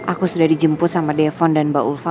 aku sudah dijemput sama devan dan mbak ulfa